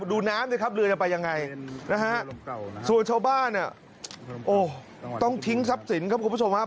ดูน้ำสิครับเรือจะไปยังไงนะฮะส่วนชาวบ้านเนี่ยโอ้ต้องทิ้งทรัพย์สินครับคุณผู้ชมครับ